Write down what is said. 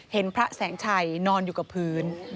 เห็นพระสังชัยนอนอยู่กับพื้น